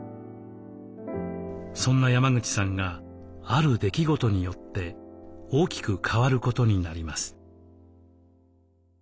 そんな山口さんがある出来事によって大きく変わることになります。